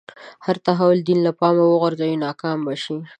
هر تحول دین له پامه وغورځوي ناکام به شي.